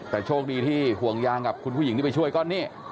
แต่โชคดีที่ห่วงยางกับคุณผู้หญิงที่ไปช่วยก็นี่